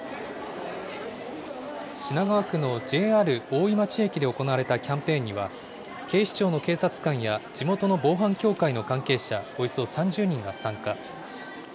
品川区のＪＲ大井町駅で行われたキャンペーンには、警視庁の警察官や、地元の防犯協会の関係者、およそ３０人が参加。